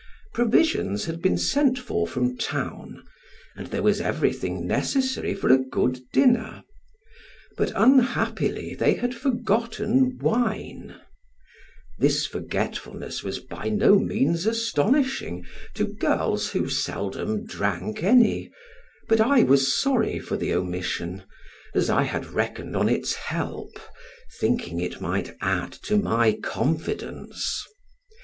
Provisions had been sent for from town, and there was everything necessary for a good dinner, but unhappily they had forgotten wine; this forgetfulness was by no means astonishing to girls who seldom drank any, but I was sorry for the omission, as I had reckoned on its help, thinking it might add to my confidence.